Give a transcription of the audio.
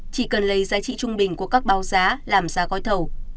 chỉ cần lấy giá trị trung bình của các báo giá làm giá gói thầu